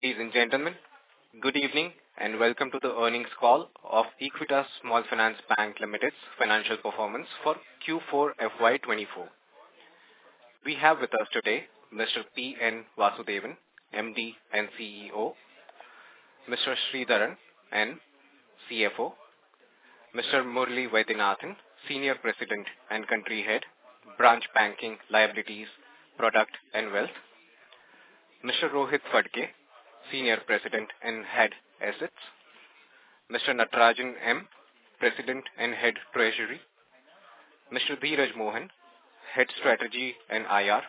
Ladies and gentlemen, good evening, and welcome to the Earnings Call of Equitas Small Finance Bank Limited's Financial Performance for Q4 FY 2024. We have with us today Mr. P. N. Vasudevan, MD and CEO, Mr. Sridharan N., CFO, Mr. Murali Vaidyanathan, Senior President and Country Head, Branch Banking, Liabilities, Product, and Wealth, Mr. Rohit Phadke, Senior President and Head, Assets, Mr. Natarajan M., President and Head, Treasury, Mr. Dheeraj Mohan, Head, Strategy and IR.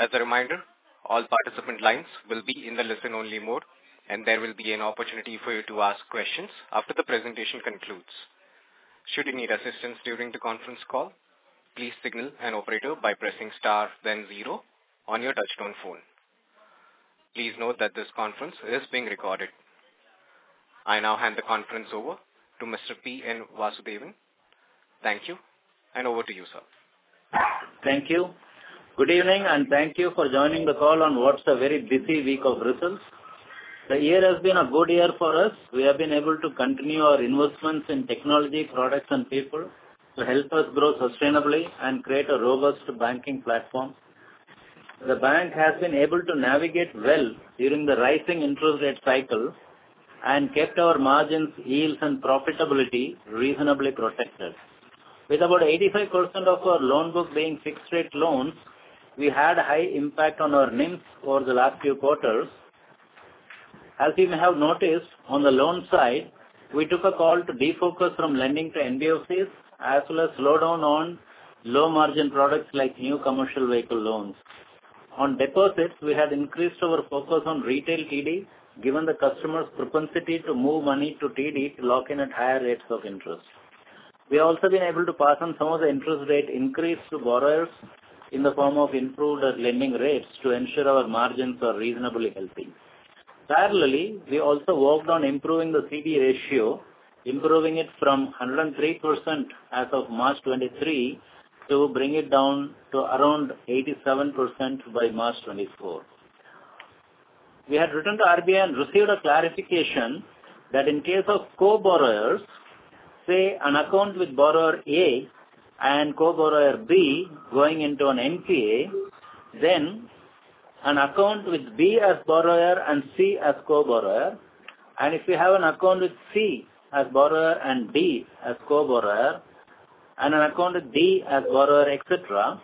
As a reminder, all participant lines will be in the listen-only mode, and there will be an opportunity for you to ask questions after the presentation concludes. Should you need assistance during the conference call, please signal an operator by pressing star then zero on your touch-tone phone. Please note that this conference is being recorded. I now hand the conference over to Mr. P. N. Vasudevan. Thank you, and over to you, sir. Thank you. Good evening, and thank you for joining the call on what's a very busy week of results. The year has been a good year for us. We have been able to continue our investments in technology, products, and people to help us grow sustainably and create a robust banking platform. The bank has been able to navigate well during the rising interest rate cycle and kept our margins, yields, and profitability reasonably protected. With about 85% of our loan book being fixed-rate loans, we had a high impact on our NIMs over the last few quarters. As you may have noticed, on the loan side, we took a call to defocus from lending to NBFCs, as well as slow down on low-margin products like new commercial vehicle loans. On deposits, we have increased our focus on retail TD, given the customer's propensity to move money to TD to lock in at higher rates of interest. We have also been able to pass on some of the interest rate increase to borrowers in the form of improved lending rates to ensure our margins are reasonably healthy. Parallelly, we also worked on improving the CD ratio, improving it from 103% as of March 2023, to bring it down to around 87% by March 2024. We had written to RBI and received a clarification that in case of co-borrowers, say, an account with borrower A and co-borrower B going into an NPA, then an account with B as borrower and C as co-borrower, and if you have an account with C as borrower and B as co-borrower, and an account with B as borrower, et cetera,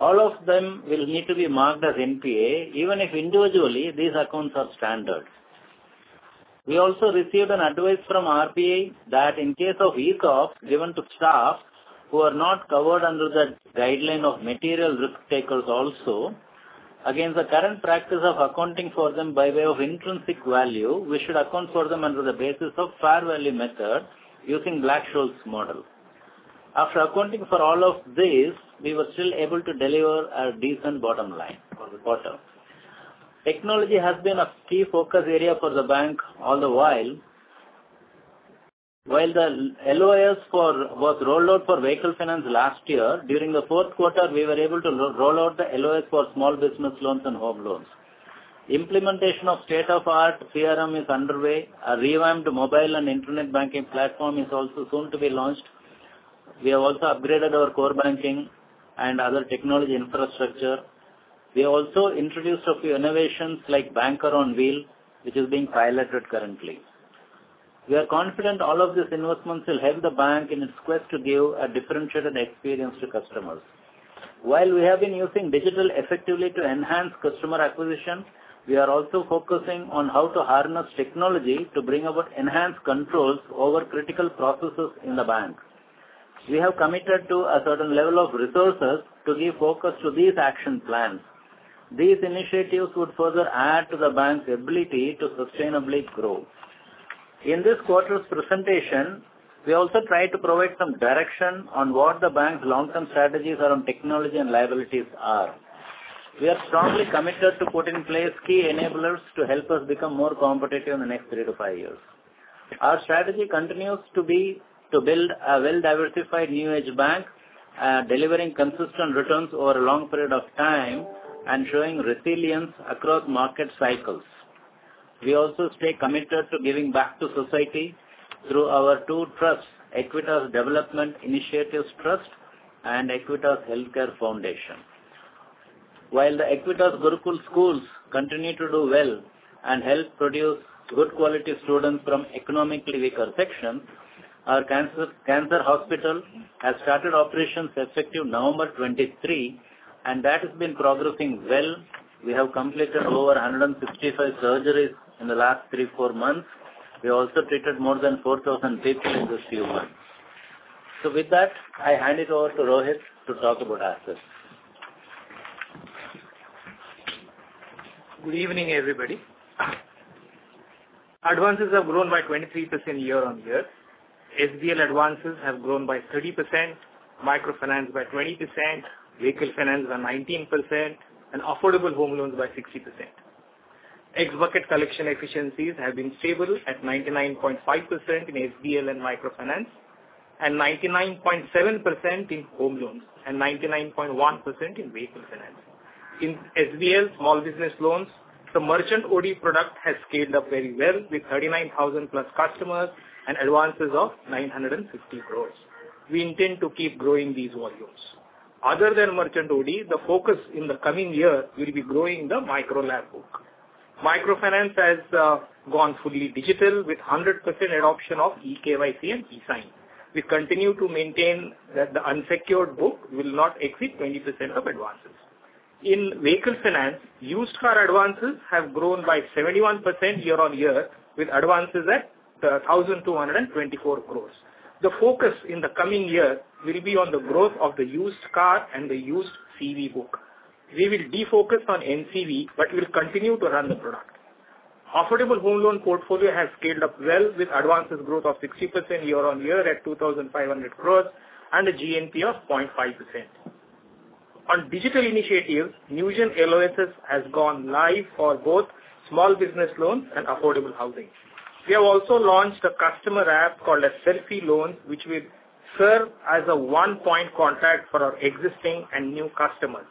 all of them will need to be marked as NPA, even if individually these accounts are standard. We also received an advice from RBI that in case of ESOP, given to staff who are not covered under the guideline of material risk takers also, against the current practice of accounting for them by way of intrinsic value, we should account for them under the basis of fair value method using Black-Scholes model. After accounting for all of this, we were still able to deliver a decent bottom line for the quarter. Technology has been a key focus area for the bank all the while. While the LOS for was rolled out for Vehicle Finance last year, during the fourth quarter, we were able to roll out the LOS for Small Business Loans and Home Loans. Implementation of state-of-the-art CRM is underway. A revamped mobile and internet banking platform is also soon to be launched. We have also upgraded our core banking and other technology infrastructure. We also introduced a few innovations like Banker on Wheels, which is being piloted currently. We are confident all of these investments will help the bank in its quest to give a differentiated experience to customers. While we have been using digital effectively to enhance customer acquisition, we are also focusing on how to harness technology to bring about enhanced controls over critical processes in the bank. We have committed to a certain level of resources to give focus to these action plans. These initiatives would further add to the bank's ability to sustainably grow. In this quarter's presentation, we also try to provide some direction on what the bank's long-term strategies around technology and liabilities are. We are strongly committed to put in place key enablers to help us become more competitive in the next three to five years. Our strategy continues to be to build a well-diversified, new-age bank, delivering consistent returns over a long period of time and showing resilience across market cycles. We also stay committed to giving back to society through our two trusts, Equitas Development Initiatives Trust and Equitas Healthcare Foundation. While the Equitas Gurukul schools continue to do well and help produce good quality students from economically weaker sections, our cancer hospital has started operations effective November 2023, and that has been progressing well. We have completed over 155 surgeries in the last three, four months. We also treated more than 4,000 people in just a few months. So with that, I hand it over to Rohit to talk about assets. Good evening, everybody. Advances have grown by 23% year-on-year. SBL Advances have grown by 30%, Microfinance by 20%, Vehicle Finance by 19%, and Affordable Home Loans by 60%. Ex-bucket collection efficiencies have been stable at 99.5% in SBL and Microfinance.... and 99.7% in Home Loans, and 99.1% in Vehicle Finance. In SBL, Small Business Loans, the Merchant OD product has scaled up very well, with 39,000+ customers and advances of 950 crore. We intend to keep growing these volumes. Other than Merchant OD, the focus in the coming year will be growing the micro LAP book. Microfinance has gone fully digital, with 100% adoption of e-KYC and e-Sign. We continue to maintain that the unsecured book will not exceed 20% of advances. In Vehicle Finance, used car advances have grown by 71% year-on-year, with advances at 1,224 crore. The focus in the coming year will be on the growth of the used car and the used CV book. We will defocus on NCV, but we'll continue to run the product. Affordable Home Loan portfolio has scaled up well, with advances growth of 60% year-on-year at 2,500 crore and a GNPA of 0.5%. On digital initiatives, Newgen LOS has gone live for both Small Business Loans and Affordable Housing. We have also launched a customer app called Selfe Loan, which will serve as a one-point contact for our existing and new customers.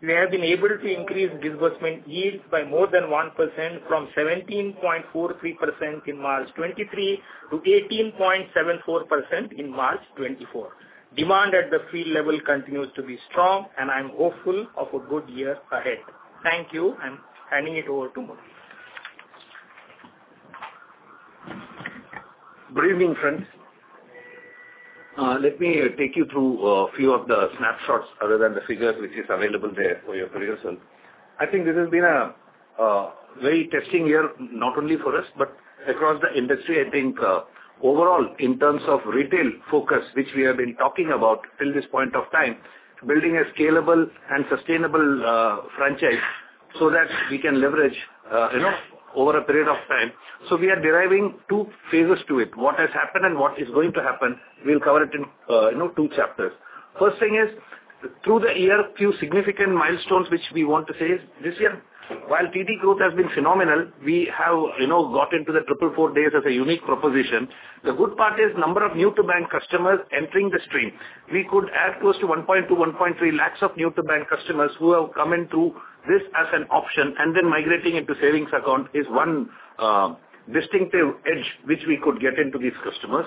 We have been able to increase disbursement yield by more than 1% from 17.43% in March 2023 to 18.74% in March 2024. Demand at the field level continues to be strong, and I'm hopeful of a good year ahead. Thank you, I'm handing it over to Murali. Good evening, friends. Let me take you through a few of the snapshots other than the figures, which is available there for your perusal. I think this has been a very testing year, not only for us, but across the industry. I think overall, in terms of retail focus, which we have been talking about till this point of time, building a scalable and sustainable franchise so that we can leverage you know over a period of time. So we are deriving two phases to it, what has happened and what is going to happen. We'll cover it in you know two chapters. First thing is, through the year, few significant milestones, which we want to say is, this year, while TD growth has been phenomenal, we have you know got into the triple four days as a unique proposition. The good part is number of new-to-bank customers entering the stream. We could add close to 1.2, 1.3 lakhs of new-to-bank customers who have come into this as an option, and then migrating into savings account is one, distinctive edge which we could get into these customers.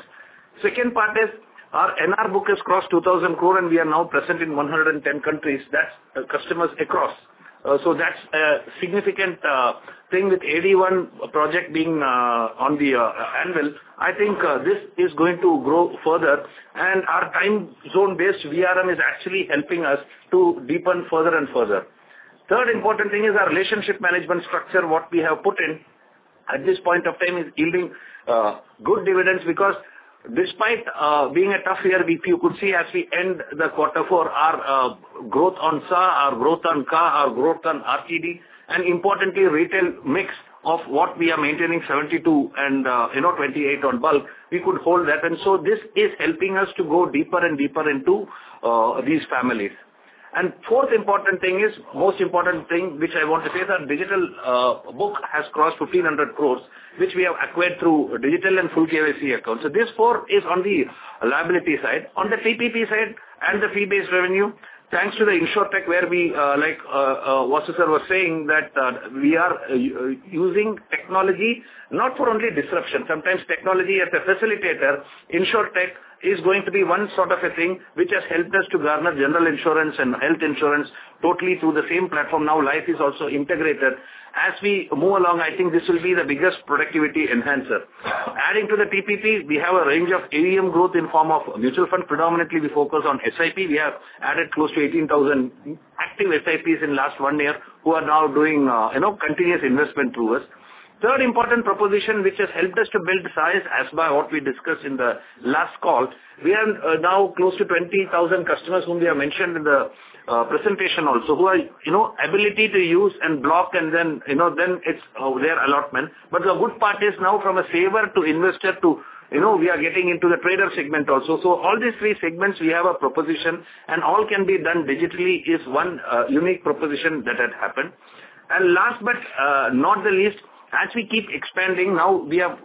Second part is our NR book has crossed 2,000 crore, and we are now present in 110 countries. That's customers across. So that's a significant, thing with AD-1 project being, on the, anvil. I think, this is going to grow further, and our time zone-based VRM is actually helping us to deepen further and further. Third important thing is our relationship management structure, what we have put in at this point of time is yielding good dividends because despite being a tough year, you could see as we end the quarter for our growth on SA, our growth on CA, our growth on RTD, and importantly, retail mix of what we are maintaining, 72 and, you know, 28 on bulk, we could hold that. And so this is helping us to go deeper and deeper into these families. And fourth important thing is, most important thing, which I want to say, that digital book has crossed 1,500 crore, which we have acquired through digital and full KYC accounts. So this four is on the liability side. On the TPP side and the fee-based revenue, thanks to the InsurTech, where we, like, Vasu sir was saying, that, we are using technology, not for only disruption, sometimes technology as a facilitator. InsurTech is going to be one sort of a thing which has helped us to garner general insurance and health insurance totally through the same platform. Now, life is also integrated. As we move along, I think this will be the biggest productivity enhancer. Adding to the TPP, we have a range of AUM growth in form of mutual fund. Predominantly, we focus on SIP. We have added close to 18,000 active SIPs in last one year, who are now doing, you know, continuous investment through us. Third important proposition, which has helped us to build size as by what we discussed in the last call, we are now close to 20,000 customers whom we have mentioned in the presentation also, who are, you know, ability to use and block and then, you know, then it's their allotment. But the good part is now from a saver to investor to, you know, we are getting into the trader segment also. So all these three segments, we have a proposition, and all can be done digitally, is one unique proposition that had happened. And last but not the least, as we keep expanding now, we are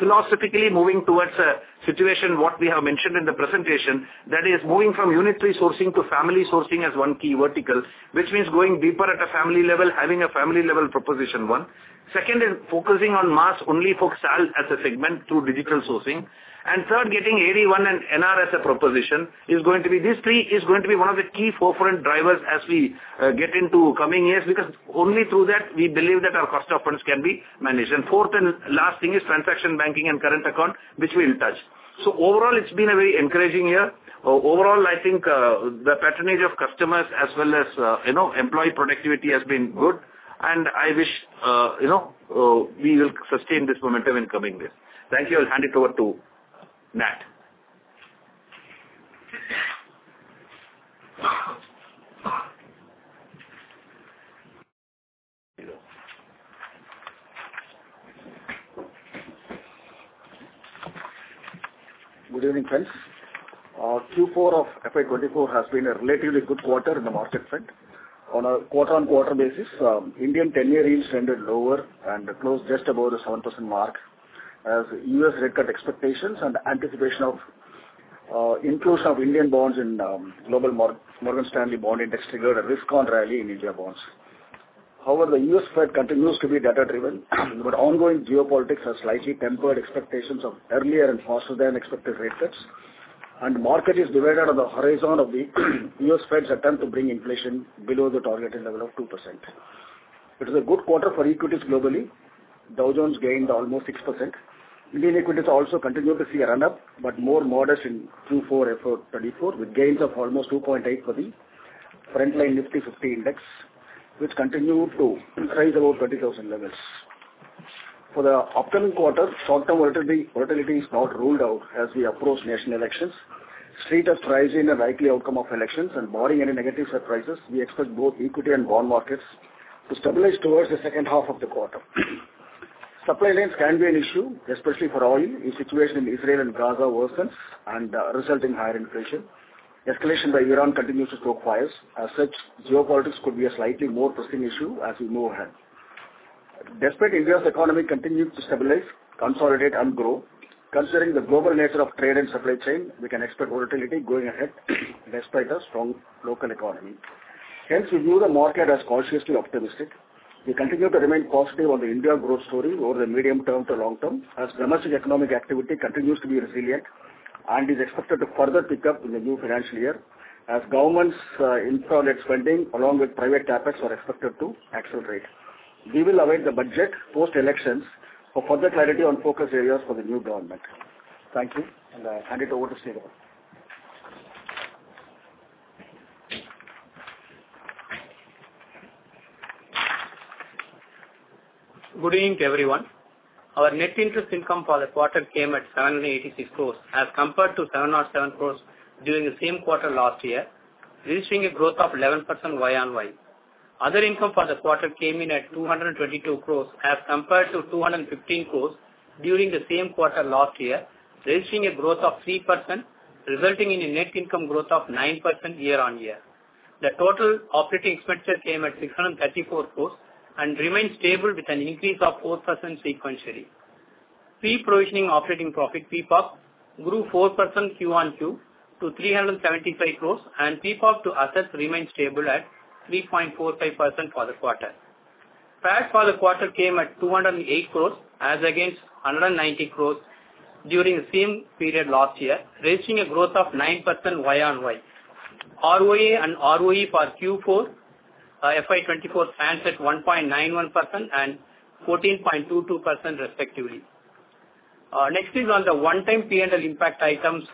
philosophically moving towards a situation, what we have mentioned in the presentation, that is moving from unit resourcing to family sourcing as one key vertical, which means going deeper at a family level, having a family level proposition, one. Second is focusing on mass, only focused as, as a segment through digital sourcing. And third, getting AD-1 and NR as a proposition is going to be—these three is going to be one of the key forefront drivers as we get into coming years, because only through that, we believe that our cost of funds can be managed. And fourth and last thing is transaction banking and current account, which we'll touch. So overall, it's been a very encouraging year. Overall, I think, the patronage of customers as well as, you know, employee productivity has been good, and I wish, you know, we will sustain this momentum in coming years. Thank you. I'll hand it over to Nat. Good evening, friends. Q4 of FY 2024 has been a relatively good quarter in the market front. On a quarter-on-quarter basis, Indian ten-year yields trended lower and closed just above the 7% mark as U.S. rate cut expectations and anticipation of inclusion of Indian bonds in global Morgan Stanley Bond Index triggered a risk-on rally in India bonds. However, the U.S. Fed continues to be data-driven, but ongoing geopolitics has slightly tempered expectations of earlier and faster-than-expected rate cuts, and market is divided on the horizon of the U.S. Fed's attempt to bring inflation below the targeted level of 2%. It is a good quarter for equities globally. Dow Jones gained almost 6%. Indian equities also continue to see a run-up, but more modest in Q4 FY 2024, with gains of almost 2.8 for the frontline NIFTY 50 Index, which continue to rise above 30,000 levels. For the upcoming quarter, short-term volatility, volatility is not ruled out as we approach national elections. Street has priced in a likely outcome of elections, and barring any negative surprises, we expect both equity and bond markets to stabilize towards the second half of the quarter. Supply lines can be an issue, especially for oil, if situation in Israel and Gaza worsens and result in higher inflation. Escalation by Iran continues to stoke fires. As such, geopolitics could be a slightly more pressing issue as we move ahead. Despite India's economy continuing to stabilize, consolidate, and grow, considering the global nature of trade and supply chain, we can expect volatility going ahead, despite a strong local economy. Hence, we view the market as cautiously optimistic. We continue to remain positive on the India growth story over the medium term to long term, as domestic economic activity continues to be resilient and is expected to further pick up in the new financial year as government's infrastructure spending, along with private CapEx, are expected to accelerate. We will await the budget post-elections for further clarity on focus areas for the new government. Thank you, and I hand it over to Sridharan. Good evening, everyone. Our net interest income for the quarter came at 786 crores, as compared to 707 crores during the same quarter last year, registering a growth of 11% year-on-year. Other income for the quarter came in at 222 crores, as compared to 215 crores during the same quarter last year, registering a growth of 3%, resulting in a net income growth of 9% year-on-year. The total operating expenditure came at 634 crores and remained stable with an increase of 4% sequentially. Pre-provisioning operating profit, PPOP, grew 4% Q-on-Q to 375 crores, and PPOP to assets remained stable at 3.45% for the quarter. Tax for the quarter came at 208 crore, as against 190 crore during the same period last year, registering a growth of 9% year-on-year. ROA and ROE for Q4 FY 2024 stands at 1.91% and 14.22% respectively. Next is on the one-time P&L impact items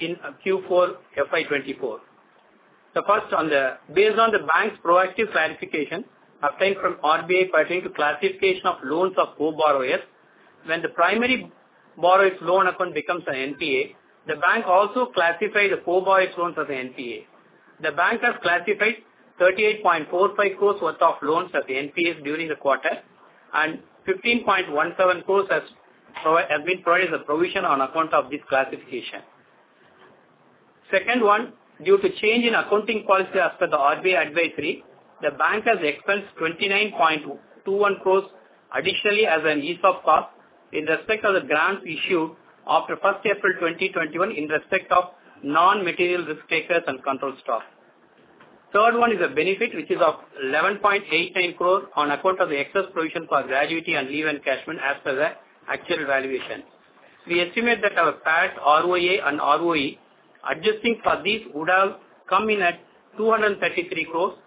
in Q4 FY 2024. The first one, based on the bank's proactive clarification obtained from RBI pertaining to classification of loans of co-borrowers, when the primary borrower's loan account becomes an NPA, the bank also classify the co-borrower's loans as NPA. The bank has classified 38.45 crore worth of loans as NPA during the quarter, and 15.17 crore has been provided as a provision on account of this classification. Second one, due to change in accounting policy as per the RBI advisory, the bank has expensed 29.21 crores additionally as an ESOP cost in respect of the grant issued after 1 April 2021 in respect of non-material risk takers and control staff. Third one is a benefit which is of 11.89 crores on account of the excess provision for gratuity and leave encashment as per the actual valuation. We estimate that our PAT, ROA, and ROE, adjusting for this, would have come in at 233 crores,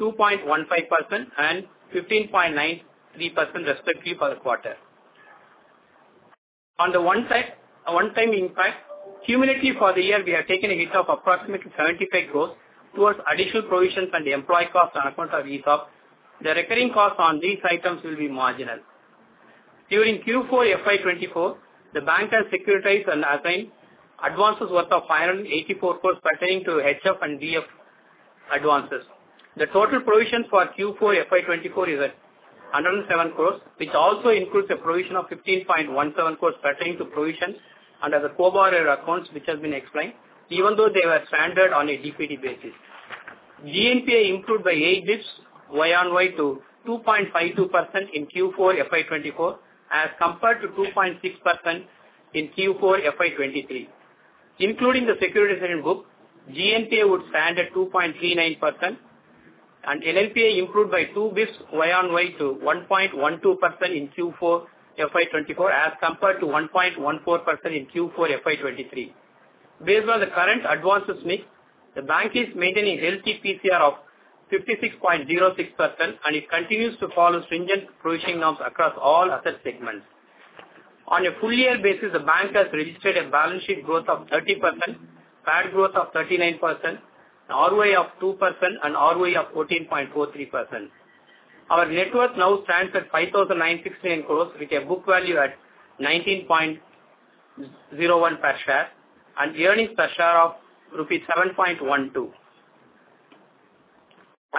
2.15%, and 15.93% respectively for the quarter. On the one side, one time impact, cumulatively for the year, we have taken a hit of approximately 75 crores towards additional provisions and employee costs on account of ESOP. The recurring costs on these items will be marginal. During Q4 FY 2024, the bank has securitized and assigned advances worth 584 crore pertaining to HF and VF advances. The total provision for Q4 FY 2024 is 107 crore, which also includes a provision of 15.17 crore pertaining to provisions under the co-borrower accounts, which has been explained, even though they were standard on a DPD basis. GNPA improved by eight basis points year-on-year to 2.52% in Q4 FY 2024, as compared to 2.6% in Q4 FY 2023. Including the securitization book, GNPA would stand at 2.39%, and NNPA improved by two basis points year-on-year to 1.12% in Q4 FY 2024, as compared to 1.14% in Q4 FY 2023. Based on the current advances mix, the bank is maintaining healthy PCR of 56.06%, and it continues to follow stringent provisioning norms across all asset segments. On a full year basis, the bank has registered a balance sheet growth of 30%, PAT growth of 39%, ROA of 2% and ROE of 14.43%. Our net worth now stands at 5,968 crores, with a book value at 19.01 per share and earnings per share of rupees 7.12.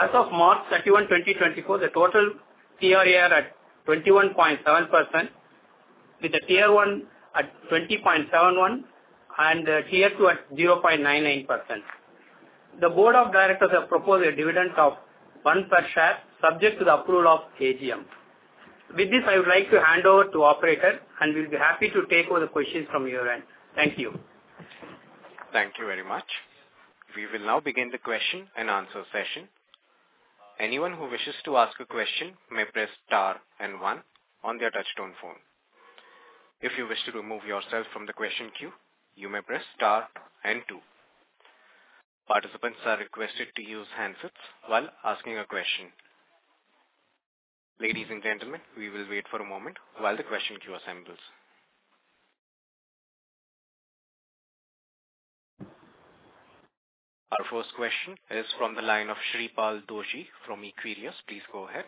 ...As of March 31, 2024, the total Tier [capital] are at 21.7%, with the Tier 1 at 20.71% and Tier 2 at 0.99%. The board of directors have proposed a dividend of 1 per share, subject to the approval of AGM. With this, I would like to hand over to operator, and we'll be happy to take all the questions from your end. Thank you. Thank you very much. We will now begin the question and answer session. Anyone who wishes to ask a question may press star and one on their touch-tone phone. If you wish to remove yourself from the question queue, you may press star and two. Participants are requested to use handsets while asking a question. Ladies and gentlemen, we will wait for a moment while the question queue assembles. Our first question is from the line of Shreepal Doshi from Equirius. Please go ahead.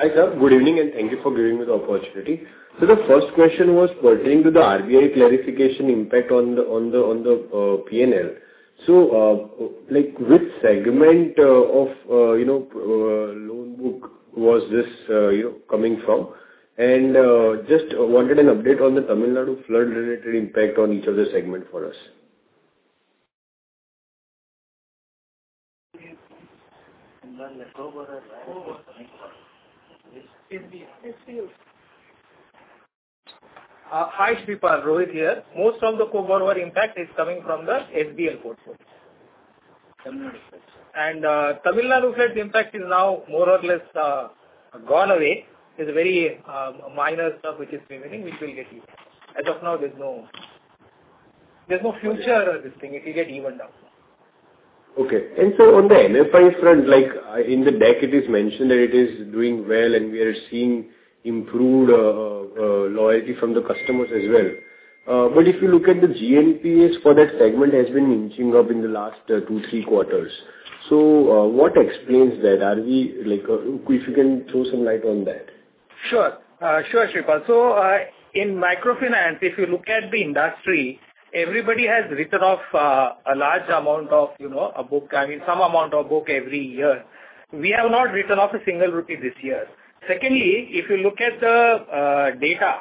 Hi, sir. Good evening, and thank you for giving me the opportunity. So the first question was pertaining to the RBI clarification impact on the PNL. So, like, which segment of you know loan book was this you know coming from? And just wanted an update on the Tamil Nadu flood related impact on each of the segment for us. Hi, Shreepal. Rohit here. Most of the co-borrower impact is coming from the HBL portfolio. And, Tamil Nadu flood impact is now more or less gone away. It's a very minor stuff which is remaining, which will get even. As of now, there's no, there's no future, this thing, it will get evened out. Okay. And so on the MFI front, like, in the deck, it is mentioned that it is doing well, and we are seeing improved loyalty from the customers as well. But if you look at the GNPA for that segment has been inching up in the last two, three quarters. What explains that? Are we, like, if you can throw some light on that? Sure. Sure, Shreepal. So, in Microfinance, if you look at the industry, everybody has written off a large amount of, you know, a book, I mean, some amount of book every year. We have not written off a single rupee this year. Secondly, if you look at the data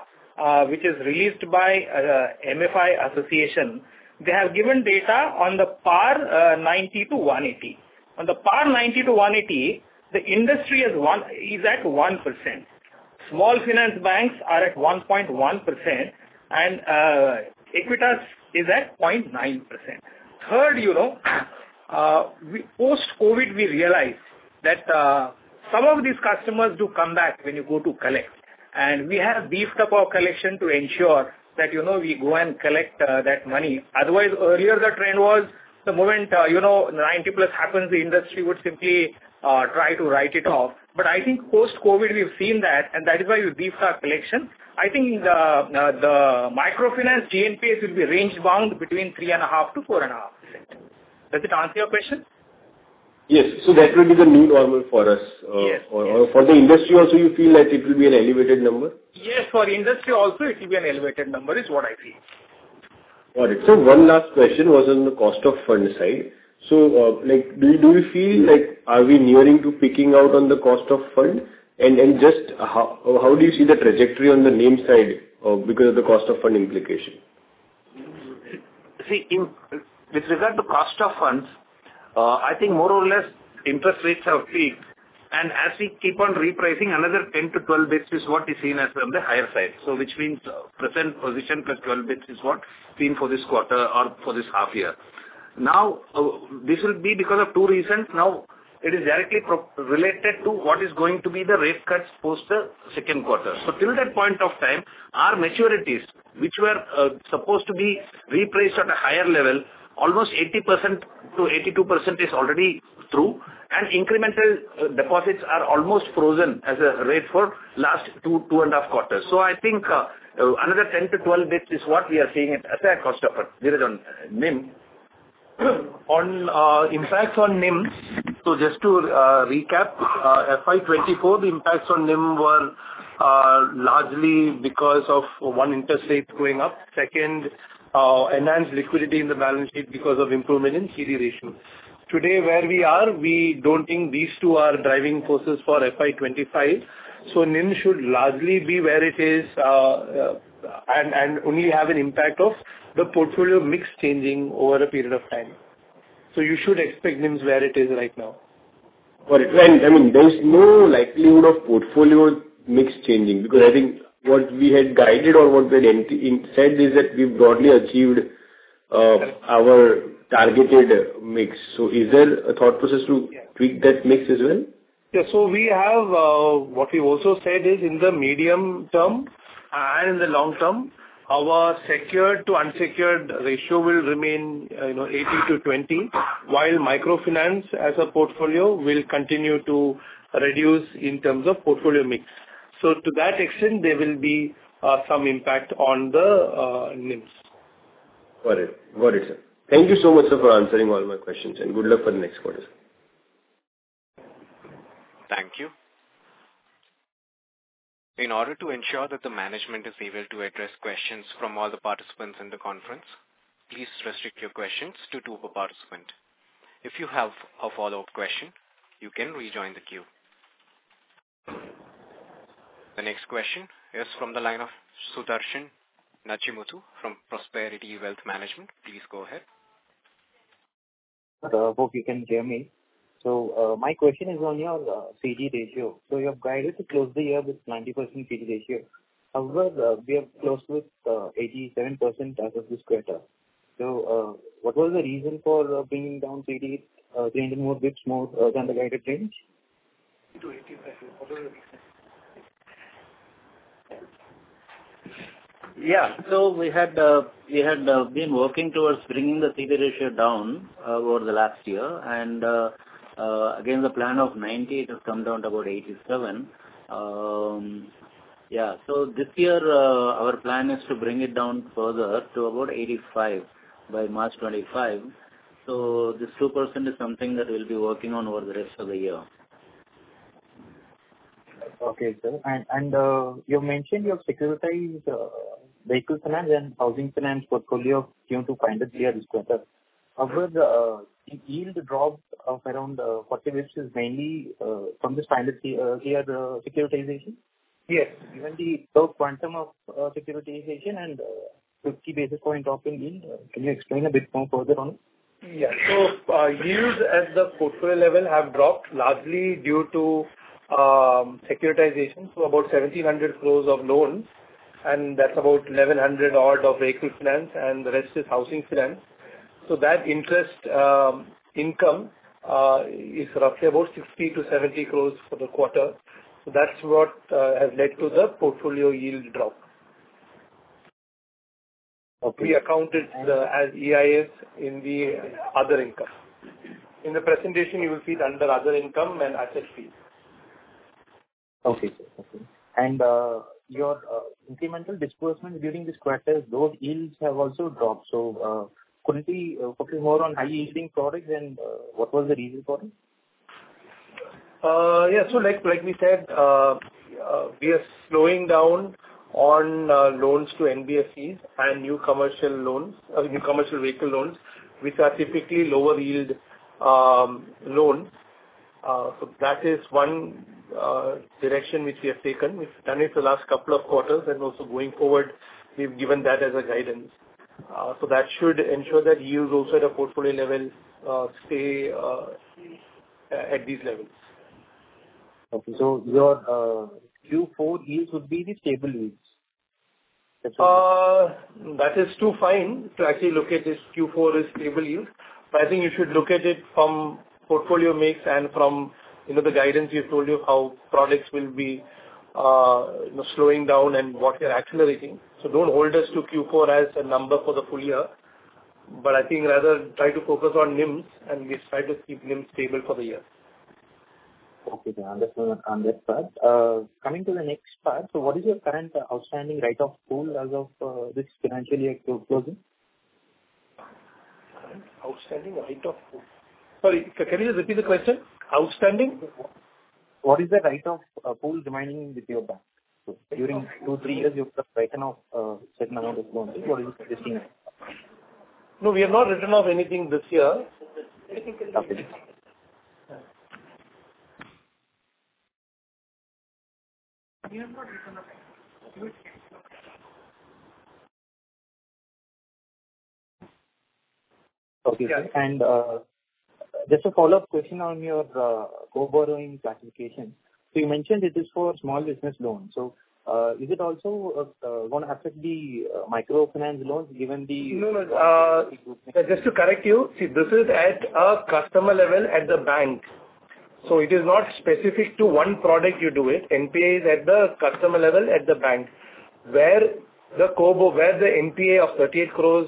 which is released by MFI Association, they have given data on the PAR 90-180. On the PAR 90-180, the industry is at 1%. Small finance banks are at 1.1%, and Equitas is at 0.9%. Third, you know, we post-COVID, we realized that some of these customers do come back when you go to collect, and we have beefed up our collection to ensure that, you know, we go and collect that money. Otherwise, earlier the trend was the moment, you know, 90+ happens, the industry would simply try to write it off. But I think post-COVID, we've seen that, and that is why we beefed our collection. I think the Microfinance GNPA will be range bound between 3.5% and 4.5%. Does it answer your question? Yes. So that will be the new normal for us. Yes. For the industry also, you feel that it will be an elevated number? Yes, for the industry also, it will be an elevated number, is what I feel. Got it. So one last question was on the cost of fund side. So, like, do you feel like are we nearing to peaking out on the cost of fund? And just how do you see the trajectory on the NIM side, because of the cost of fund implication? See, with regard to cost of funds, I think more or less interest rates have peaked, and as we keep on repricing, another 10-12 basis points is what is seen as from the higher side. So which means present position plus 12 basis points is what seen for this quarter or for this half year. Now, this will be because of two reasons. Now, it is directly related to what is going to be the rate cuts post the second quarter. So till that point of time, our maturities, which were, supposed to be repriced at a higher level, almost 80%-82% is already through, and incremental, deposits are almost frozen as a rate for last two, two and a half quarters. So I think, another 10-12 bits is what we are seeing as a cost of it, rather than NIM. On impacts on NIMs, so just to recap, FY 2024, the impacts on NIM were largely because of, one, interest rates going up, second, enhanced liquidity in the balance sheet because of improvement in CD ratio. Today, where we are, we don't think these two are driving forces for FY 2025, so NIM should largely be where it is, and only have an impact of the portfolio mix changing over a period of time. So you should expect NIMs where it is right now. Got it. I mean, there's no likelihood of portfolio mix changing, because I think what we had guided or what we had said is that we've broadly achieved our targeted mix. So is there a thought process to tweak that mix as well? Yeah. So we have, what we've also said is in the medium term and in the long term, our secured to unsecured ratio will remain, you know, 18-20, while Microfinance as a portfolio will continue to reduce in terms of portfolio mix. So to that extent, there will be, some impact on the, NIMs. Got it. Got it, sir. Thank you so much, sir, for answering all my questions, and good luck for the next quarter. Thank you. ... In order to ensure that the management is able to address questions from all the participants in the conference, please restrict your questions to two per participant. If you have a follow-up question, you can rejoin the queue. The next question is from the line of Sudarshan Nachimuthu from Prosperity Wealth Management. Please go ahead. Hope you can hear me. So, my question is on your CD ratio. So you have guided to close the year with 90% CD ratio. However, we have closed with 87% as of this quarter. So, what was the reason for bringing down CD, changing more bits more than the guided range? To 85. What was the reason? Yeah. So we had been working towards bringing the CD ratio down over the last year, and again, the plan of 90, it has come down to about 87. Yeah, so this year our plan is to bring it down further to about 85 by March 2025. So this 2% is something that we'll be working on over the rest of the year. Okay, sir. You mentioned you have securitized Vehicle Finance and Housing Finance portfolio due to final clear dispender. However, the yield drop of around 40 basis points, mainly from this final clear securitization? Yes. Even the quantum of securitization and 50 basis point drop in yield. Can you explain a bit more further on it? Yeah. So, yields at the portfolio level have dropped largely due to securitization. So about 1,700 crore of loans, and that's about 1,100-odd crore of Vehicle Finance, and the rest is Housing Finance. So that interest income is roughly about 60-70 crore for the quarter. So that's what has led to the portfolio yield drop. Okay. We accounted as EIS in the other income. In the presentation, you will see it under other income and asset fees. Okay, sir. Okay. And, your incremental disbursement during this quarter, those yields have also dropped. So, couldn't we focus more on high-yielding products and, what was the reason for it? Yeah, so like we said, we are slowing down on loans to NBFCs and new commercial loans, new commercial vehicle loans, which are typically lower yield loans. So that is one direction which we have taken. We've done it the last couple of quarters, and also going forward, we've given that as a guidance. So that should ensure that yields also at a portfolio level stay at these levels. Okay. So your Q4 yields would be the stable yields? That is too fine to actually look at this Q4 as stable yield. But I think you should look at it from portfolio mix and from, you know, the guidance we've told you, how products will be, you know, slowing down and what we are accelerating. So don't hold us to Q4 as a number for the full year, but I think rather try to focus on NIMS, and we try to keep NIMS stable for the year. Okay, yeah, understand that. Coming to the next part, so what is your current outstanding write-off pool as of this financial year closing? Current outstanding write-off pool? Sorry, can you just repeat the question? Outstanding? What is the write-off pool remaining with your bank? During two to three years, you've written off certain amount of loans. What is the remaining? No, we have not written off anything this year. Anything, okay. Okay. We have not written off anything. Okay, sir. And just a follow-up question on your co-borrowing classification. So you mentioned it is for Small Business Loans. So, is it also gonna affect the Microfinance loans given the- No, no. Just to correct you, see, this is at a customer level at the bank, so it is not specific to one product you do it. NPA is at the customer level at the bank. Where the NPA of 38 crore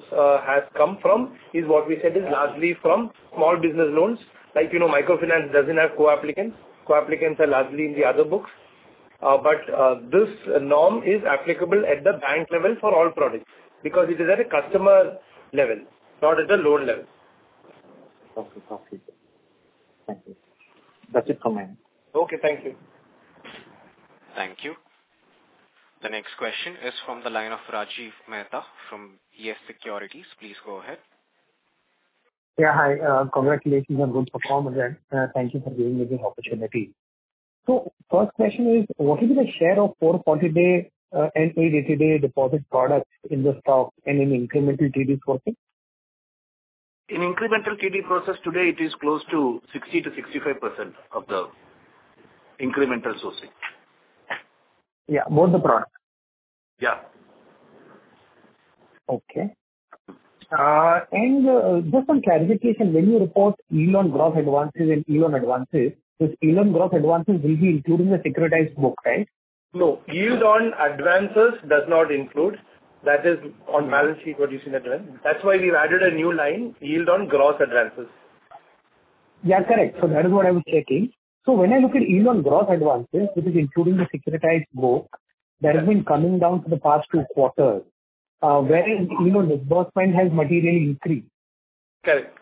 has come from is what we said: it is largely from Small Business Loans. Like, you know, Microfinance doesn't have co-applicants. Co-applicants are largely in the other books. But this norm is applicable at the bank level for all products, because it is at a customer level, not at the loan level. Okay. Copy. Thank you. That's it from my end. Okay. Thank you. Thank you. The next question is from the line of Rajiv Mehta from YES Securities. Please go ahead. Yeah, hi. Congratulations on good performance, and thank you for giving me this opportunity. First question is: What will be the share of 440-day and 880-day deposit products in the stock and in incremental TD sourcing? In incremental TD process today, it is close to 60%-65% of the incremental sourcing. Yeah, both the products? Yeah. Okay. And just on clarification, when you report yield on gross advances and yield on advances, this yield on gross advances will be including the securitized book, right? No. Yield on advances does not include, that is on balance sheet what you see in advance. That's why we've added a new line, yield on gross advances. Yeah, correct. So that is what I was checking. So when I look at yield on gross advances, which is including the securitized book, that has been coming down for the past two quarters, whereas yield on disbursement has materially increased.... Correct.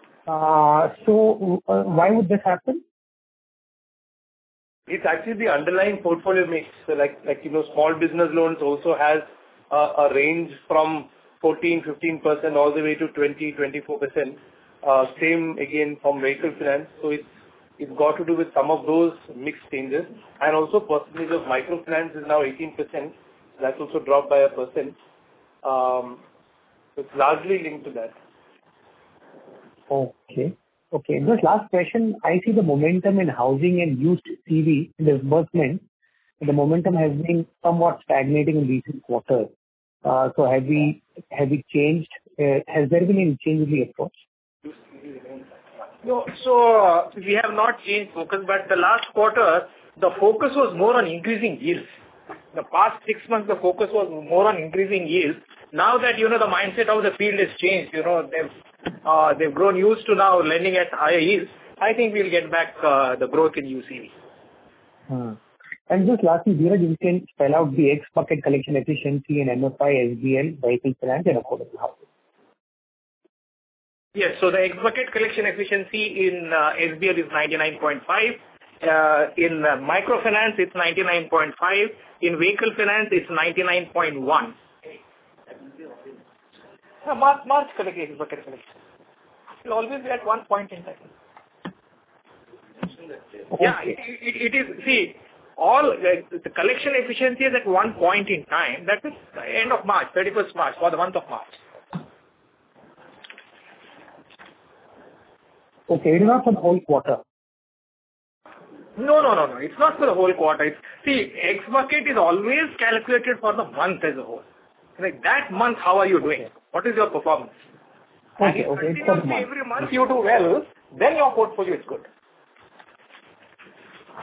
So, why would this happen? It's actually the underlying portfolio mix. So like, like, you know, Small Business Loans also has a range from 14%, 15% all the way to 20%, 24%. Same again from Vehicle Finance. So it's, it's got to do with some of those mix changes. And also possibly because Microfinance is now 18%, that's also dropped by 1%. It's largely linked to that. Okay. Okay, just last question. I see the momentum in housing and used CV disbursement, but the momentum has been somewhat stagnating in recent quarters. So have we, have we changed, has there been any change in the approach? No. So we have not changed focus, but the last quarter, the focus was more on increasing yields. The past six months, the focus was more on increasing yields. Now that, you know, the mindset of the field has changed, you know, they've grown used to now lending at higher yields. I think we'll get back, the growth in UCE. And just lastly, Dheeraj, you can spell out the ex-bucket collection efficiency in MFI, SBL, Vehicle Finance, and Affordable Housing. Yes. So the ex-bucket collection efficiency in SBL is 99.5%. In Microfinance, it's 99.5%. In Vehicle Finance, it's 99.1%. No, March, March collection, ex-bucket collection. It will always be at one point in time. Yeah, it is... See, all the collection efficiency is at one point in time. That is end of March, 31st March, for the month of March. Okay. Not for the whole quarter? No, no, no, no. It's not for the whole quarter. See, ex-bucket is always calculated for the month as a whole. Like, that month, how are you doing? What is your performance? Okay. Every month, if you do well, then your portfolio is good.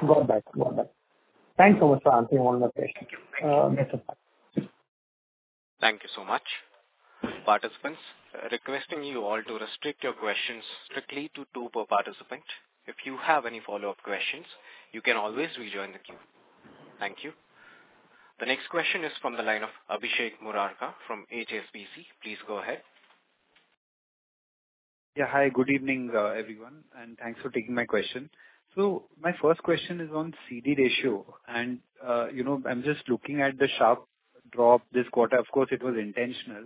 Got that. Got that. Thanks so much for answering all my questions. That's it, bye. Thank you so much. Participants, requesting you all to restrict your questions strictly to two per participant. If you have any follow-up questions, you can always rejoin the queue. Thank you. The next question is from the line of Abhishek Murarka from HSBC. Please go ahead. Yeah. Hi, good evening, everyone, and thanks for taking my question. So my first question is on CD ratio, and, you know, I'm just looking at the sharp drop this quarter. Of course, it was intentional,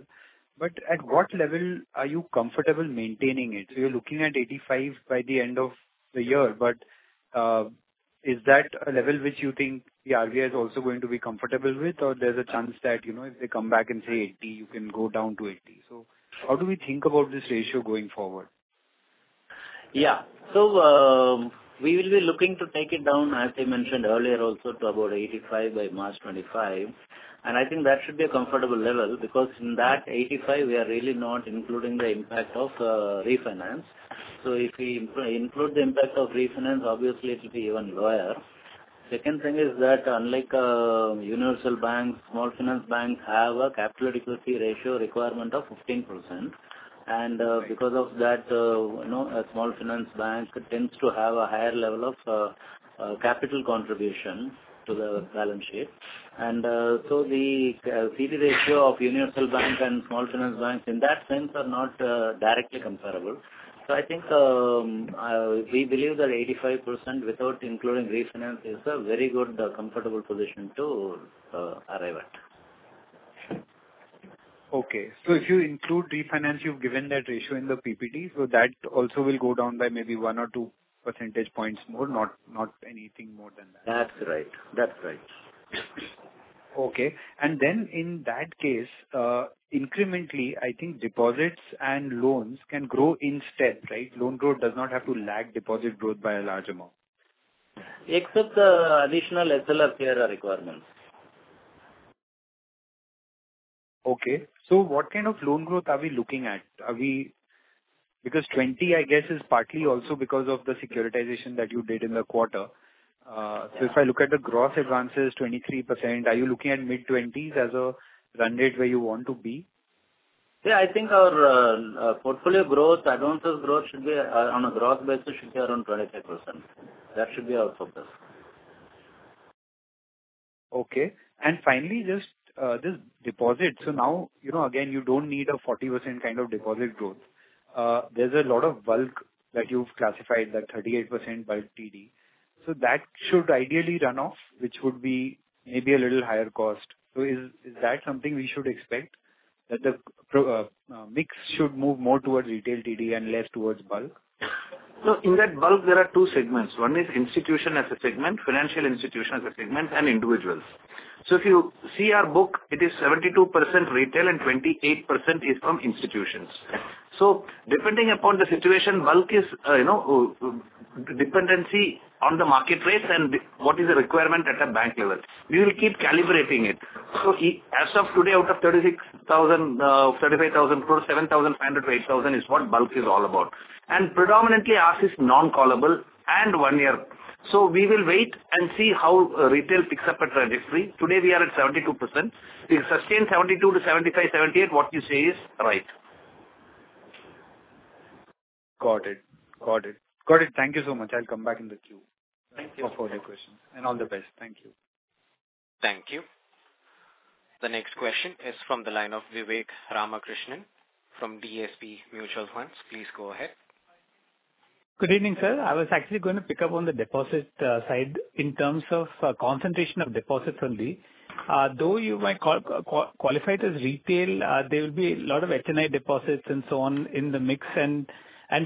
but at what level are you comfortable maintaining it? So you're looking at 85 by the end of the year, but, is that a level which you think the RBI is also going to be comfortable with? Or there's a chance that, you know, if they come back and say 80, you can go down to 80. So how do we think about this ratio going forward? Yeah. So, we will be looking to take it down, as I mentioned earlier, also to about 85 by March 2025. And I think that should be a comfortable level, because in that 85, we are really not including the impact of refinance. So if we include the impact of refinance, obviously it will be even lower. Second thing is that unlike universal banks, small finance banks have a capital adequacy ratio requirement of 15%. And, because of that, you know, a small finance bank tends to have a higher level of capital contribution to the balance sheet. And, so the CD ratio of universal banks and small finance banks, in that sense, are not directly comparable. I think we believe that 85%, without including refinance, is a very good, comfortable position to arrive at. Okay. So if you include refinance, you've given that ratio in the PPT, so that also will go down by maybe 1-2 percentage points more, not, not anything more than that. That's right. That's right. Okay. And then in that case, incrementally, I think deposits and loans can grow in step, right? Loan growth does not have to lag deposit growth by a large amount. Except, additional SLR CRA requirements. Okay. So what kind of loan growth are we looking at? Are we... Because 20, I guess, is partly also because of the securitization that you did in the quarter. So if I look at the gross advances, 23%, are you looking at mid-20s as a run rate where you want to be? Yeah, I think our portfolio growth, advances growth should be on a gross basis around 25%. That should be our focus. Okay. And finally, just, just deposits. So now, you know, again, you don't need a 40% kind of deposit growth. There's a lot of bulk that you've classified, that 38% bulk TD. So that should ideally run off, which would be maybe a little higher cost. So is that something we should expect, that the mix should move more towards retail TD and less towards bulk? No, in that bulk, there are two segments. One is institution as a segment, financial institution as a segment, and individuals. So if you see our book, it is 72% retail and 28% is from institutions. So depending upon the situation, bulk is, you know, dependency on the market rates and what is the requirement at a bank level. We will keep calibrating it. So as of today, out of 36,000, 35,000, 7,500-8,000 is what bulk is all about. And predominantly, ours is non-callable and one year. So we will wait and see how retail picks up in treasury. Today, we are at 72%. If we sustain 72%-75%, 78%, what you say is right. Got it. Got it. Got it. Thank you so much. I'll come back in the queue. Thank you. For further questions. All the best. Thank you. Thank you... The next question is from the line of Vivek Ramakrishnan from DSP Mutual Fund. Please go ahead. Good evening, sir. I was actually going to pick up on the deposit side in terms of concentration of deposits only. Though you might qualified as retail, there will be a lot of FNI deposits and so on in the mix, and